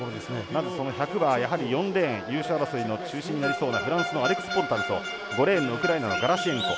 まず、その１００はやはり４レーン優勝争いの中心になりそうなフランスのアレクス・ポルタルと５レーンのウクライナのガラシェンコ。